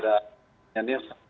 saya tidak mencari